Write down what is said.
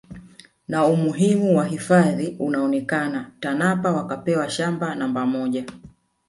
Na umuhimu wa hifadhi ukaonekana Tanapa wakapewa shamba namba moja